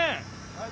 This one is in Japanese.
はい。